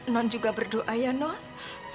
non juga berdoa ya non supaya ada ohrongan